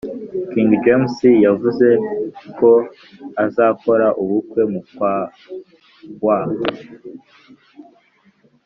king james yavuzeko azakora ubukwera mu mwaka wa